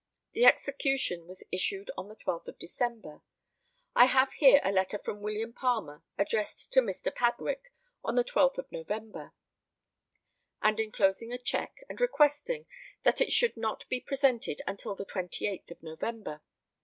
The execution was issued on the 12th of December. I have here a letter from William Palmer addressed to Mr. Padwick on the 12th of November, and enclosing a cheque, and requesting that it should not be presented until the 28th of November.